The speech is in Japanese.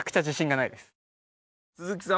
鈴木さん